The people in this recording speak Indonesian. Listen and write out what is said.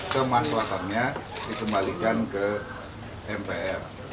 kemaslahannya dikembalikan ke mpr